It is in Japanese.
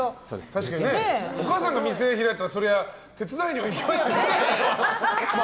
確かにお母さんが店を開いたら手伝いには行きますよね。